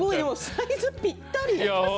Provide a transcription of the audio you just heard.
サイズぴったり。